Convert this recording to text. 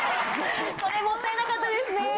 これもったいなかったですね。